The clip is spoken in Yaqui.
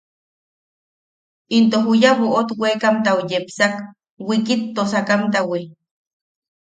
Into juya boʼot wekamtau yepsak wiikit toosakamtawi.